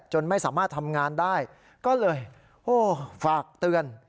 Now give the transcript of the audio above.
ไม่สามารถทำงานได้ก็เลยโอ้ฝากเตือน